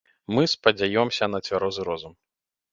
Мы спадзяёмся на цвярозы розум.